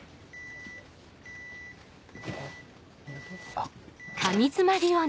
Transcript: あっ。